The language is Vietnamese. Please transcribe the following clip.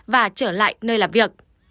và trở lại nơi làm việc